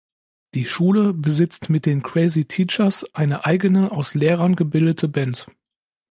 Die Schule besitzt mit den "Crazy Teachers" eine eigene, aus Lehrern gebildete Band.